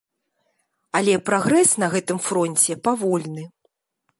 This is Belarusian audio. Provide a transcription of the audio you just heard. Але прагрэс на гэтым фронце павольны.